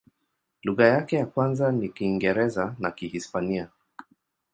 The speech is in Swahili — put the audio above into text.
Lugha yake ya kwanza ni Kiingereza na Kihispania.